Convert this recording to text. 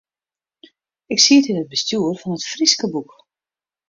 Ik siet yn it bestjoer fan It Fryske Boek.